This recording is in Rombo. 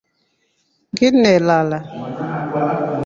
Nginnelala.